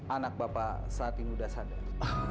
anak bapak saat ini sudah sadar